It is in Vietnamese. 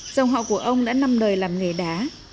dòng họ của ông đã năm đời làm nghề đá